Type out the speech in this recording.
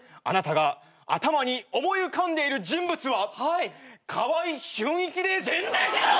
あなたが頭に思い浮かんでいる人物は川合俊一です。